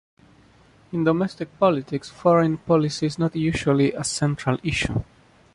In domestic politics, foreign policy is not usually a central issue.